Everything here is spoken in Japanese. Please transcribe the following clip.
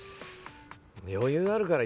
余裕あるから。